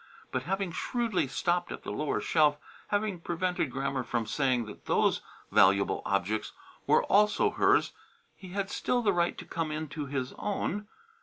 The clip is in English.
But, having shrewdly stopped at the lower shelf, having prevented Grammer from saying that those valuable objects were also hers, he had still the right to come into his own.